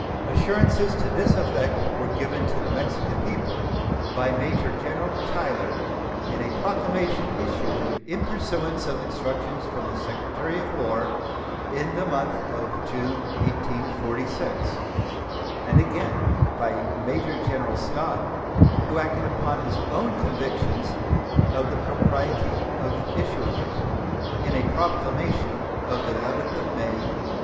Assurances to this effect were given to the Mexican people by Major General Taylor in a proclamation issued in pursuance of instructions from the Secretary of War in the month of June, 1846, and again by Major General Scott, who acted upon his own convictions of the propriety of issuing it, in a proclamation of the 11th of May, 1847.